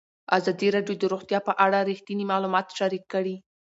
ازادي راډیو د روغتیا په اړه رښتیني معلومات شریک کړي.